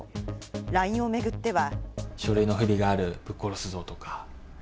ＬＩＮＥを巡っては。